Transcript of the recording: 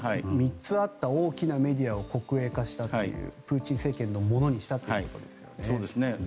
３つあった大きなメディアを、国営化したプーチン政権のものにしたということですね。